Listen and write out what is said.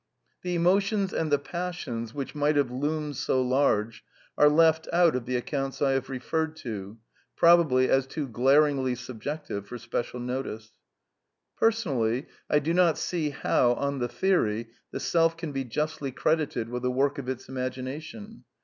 The emotions and the passions, which might have loomed so large, are left out of the accounts I have referred to — probably as too glaringly subjective for special notice. \^ Personally, I do not see how, on the theory, the Self can^''''^ be justly credited with the work of its imagination.